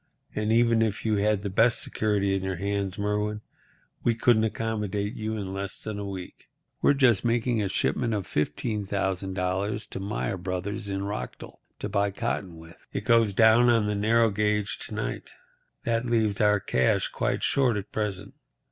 And even if you had the best security in your hands, Merwin, we couldn't accommodate you in less than a week. We're just making a shipment of $15,000 to Myer Brothers in Rockdell, to buy cotton with. It goes down on the narrow gauge to night. That leaves our cash quite short at present.